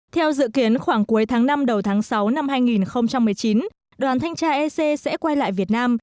theo dự kiến khoảng cuối tháng năm đầu tháng sáu năm hai nghìn một mươi chín đoàn thanh tra ec sẽ quay lại việt nam